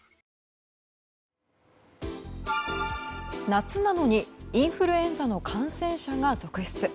夏なのにインフルエンザの感染者が続出。